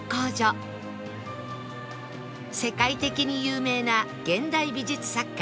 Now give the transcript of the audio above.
世界的に有名な現代美術作家